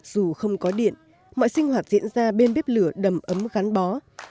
dù không có điện mọi sinh hoạt diễn ra bên bếp lửa đầm ấm gắn bó